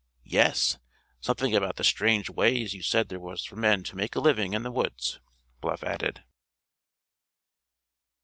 "Yes; something about the strange ways you said there were for men to make a living in the woods," Bluff added.